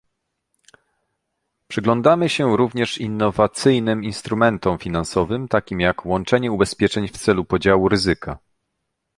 Przyglądamy się również innowacyjnym instrumentom finansowym, takim jak łączenie ubezpieczeń w celu podziału ryzyka